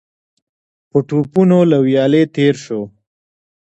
په ټوپونو له ويالې تېر شو.